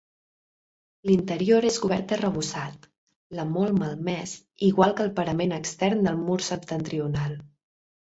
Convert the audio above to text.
L'interior és cobert d'arrebossat, la molt malmès, igualment que el parament extern del mur septentrional.